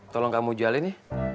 tolong kamu jualin ya